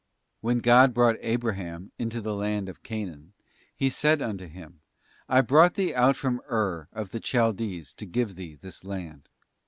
When God had brought Abraham into the land of Chanaan, He said unto him,'I brought thee out from Ur of the Chaldees to give thee this land.